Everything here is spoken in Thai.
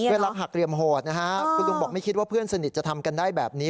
รักหักเหลี่ยมโหดนะฮะคุณลุงบอกไม่คิดว่าเพื่อนสนิทจะทำกันได้แบบนี้